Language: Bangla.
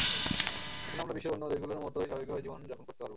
এখন আমরা বিশ্বের অন্য দেশগুলোর মতোই স্বাভাবিকভাবে জীবন যাপন করতে পারব।